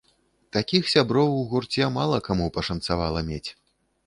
Такіх сяброў у гурце мала каму пашанцавала мець.